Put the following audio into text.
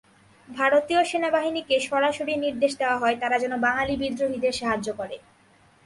ভারতীয় সেনাবাহিনীকে সরাসরি নির্দেশ দেওয়া হয়, তারা যেন বাঙালি বিদ্রোহীদের সাহায্য করে।